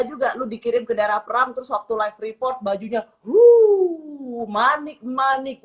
juga lu dikirim ke daerah perang terus waktu live report bajunya wuh manik manik